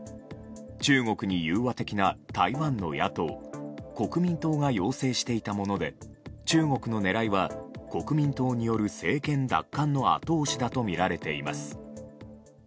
中国に融和的な台湾の野党国民党が要請していたもので中国の狙いは国民党による政権奪還の後押しだとみられています。